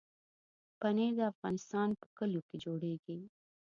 پنېر د افغانستان په کلیو کې جوړېږي.